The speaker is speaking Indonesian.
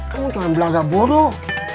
kamu tuh anggap bodoh